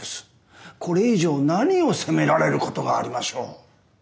これ以上何を責められることがありましょう。